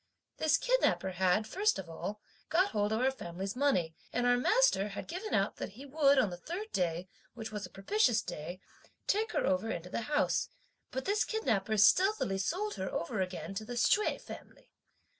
This kidnapper had, first of all, got hold of our family's money, and our master had given out that he would on the third day, which was a propitious day, take her over into the house, but this kidnapper stealthily sold her over again to the Hsüeh family.